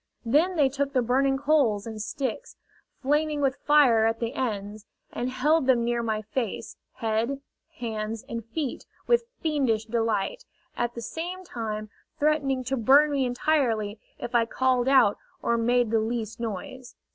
Then they took the burning coals and sticks, flaming with fire at the ends, and held them near my face, head, hands and feet, with fiendish delight, at the same time threatening to burn me entirely if I called out or made the least noise.